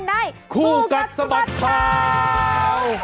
ในครูกัตสบัดข่าว